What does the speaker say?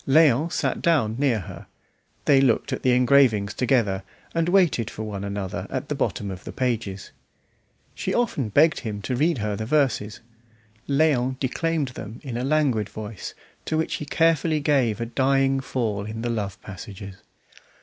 Léon sat down near her; they looked at the engravings together, and waited for one another at the bottom of the pages. She often begged him to read her the verses; Léon declaimed them in a languid voice, to which he carefully gave a dying fall in the love passages.